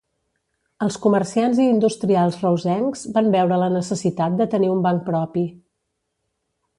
Els comerciants i industrials reusencs van veure la necessitat de tenir un banc propi.